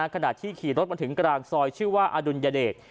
ขณะที่ขี่รถมาถึงกลางซอยชื่อว่าอดุลยเดช